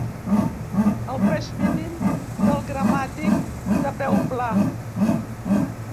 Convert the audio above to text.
El pes mínim del gramàtic de peu pla.